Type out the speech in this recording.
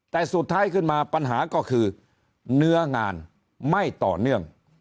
แต่สุดท้ายขึ้นมาปัญหาก็คือเนื้องานไม่ต่อเนื่อง